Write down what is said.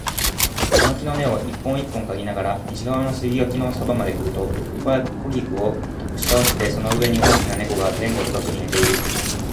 茶の木の根を一本一本嗅ぎながら、西側の杉垣のそばまでくると、枯菊を押し倒してその上に大きな猫が前後不覚に寝ている